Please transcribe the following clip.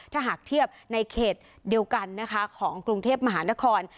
ถ้าหากเทียบในเขตเดียวกันนะคะของกรุงเทพมหานคร